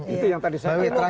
itu yang tadi saya katakan